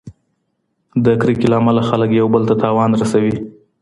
د کرکې له امله خلک یوبل ته تاوان رسوي.